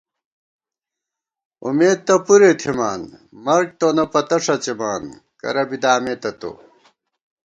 امېد تہ پُرے تھِمان، مرگ تونہ پتہ ݭَڅِمان، کرہ بی دامېتہ تو